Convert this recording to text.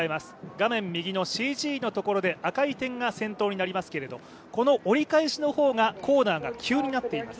画面右のＣＧのところで赤い点が先頭になりますけれどもこの折り返しの方がコーナーが急になっています。